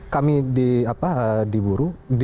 pada saat kami diburu